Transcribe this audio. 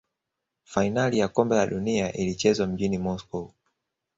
fainali ya kombe la dunia ilichezwa mjini moscow